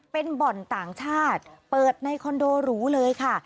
เป็นบ่อนต่างชาติเปิดในคอนโดหรูเลยค่ะ